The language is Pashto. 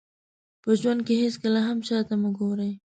په ژوند کې هېڅکله هم شاته مه ګورئ.